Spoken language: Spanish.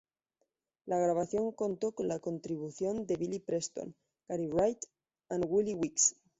La grabación contó con la contribución de Billy Preston, Gary Wright and Willie Weeks.